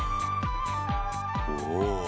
おお。